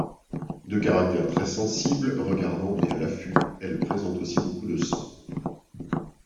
De caractère très sensible, regardante et à l'affût, elle présente aussi beaucoup de sang.